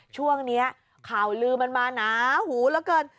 ช่วงนี้ข่าวลืมมันมานะหูละเกิน